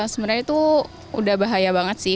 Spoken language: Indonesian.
sebenarnya itu udah bahaya banget sih